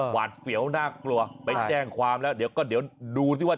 หวาดเสียวน่ากลัวไปแจ้งความแล้วเดี๋ยวก็เดี๋ยวดูสิว่า